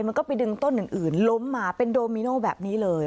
มันก็ไปดึงต้นอื่นล้มมาเป็นโดมิโนแบบนี้เลย